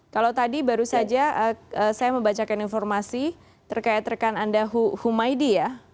kalau tadi baru saja saya membacakan informasi terkait rekan anda humaydi ya